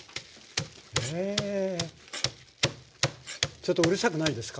ちょっとうるさくないですか？